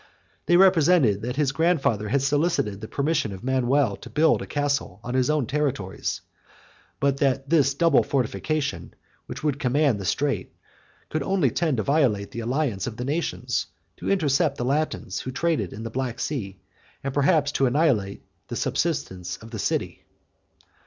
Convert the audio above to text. They represented, that his grandfather had solicited the permission of Manuel to build a castle on his own territories; but that this double fortification, which would command the strait, could only tend to violate the alliance of the nations; to intercept the Latins who traded in the Black Sea, and perhaps to annihilate the subsistence of the city.